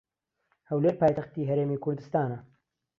هەولێر پایتەختی هەرێمی کوردستانە.